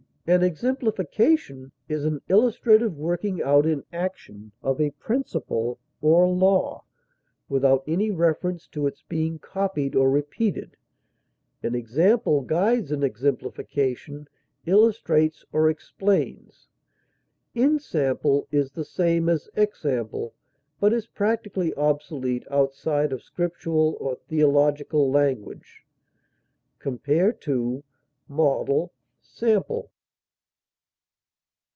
An exemplification is an illustrative working out in action of a principle or law, without any reference to its being copied or repeated; an example guides, an exemplification illustrates or explains. Ensample is the same as example, but is practically obsolete outside of Scriptural or theological language. Compare MODEL; SAMPLE.